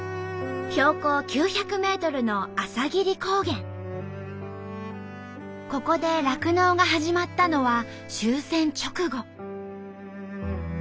標高９００ｍのここで酪農が始まったのは終戦直後。